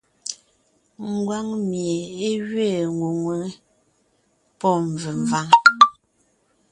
Ngwáŋ mie é gẅiin ŋwʉ̀ŋe (P), pɔ́ mvèmváŋ (K).